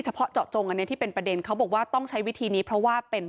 เพาะเจาะจงอันนี้ที่เป็นประเด็นเขาบอกว่าต้องใช้วิธีนี้เพราะว่าเป็น